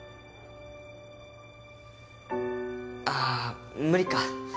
ああ無理か。